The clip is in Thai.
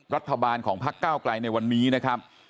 รัฐบาลของพักเก้าไกลในวันนี้นะครับ